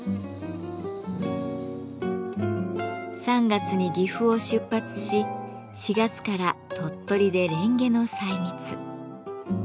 ３月に岐阜を出発し４月から鳥取でレンゲの採蜜。